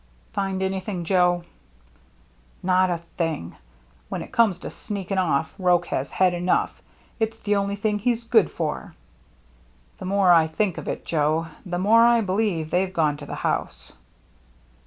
" Find anything, Joe ?"" Not a thing. When it comes to sneaking off, Roche has head enough. It's the only thing he's good for." VAN DEELEN'S BRIDGE 311 " The more I think of it, Joe, the more I believe they've gone to the house."